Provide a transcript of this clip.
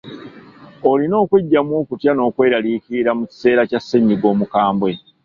Olina okweggyamu okutya n’okweraliikira mu kiseera kya ssennyiga omukambwe.